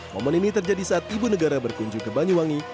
momen ini terjadi saat ibu negara berkunjung ke banyuwangi